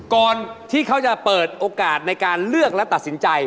ก่อนที่เขาจะเปิดโอกาสในการเลือกและตัดสินใจ